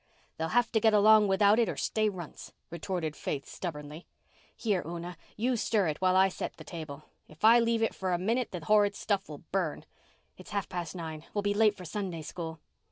"They'll have to get along without it or stay runts," retorted Faith stubbornly. "Here, Una, you stir it while I set the table. If I leave it for a minute the horrid stuff will burn. It's half past nine. We'll be late for Sunday School."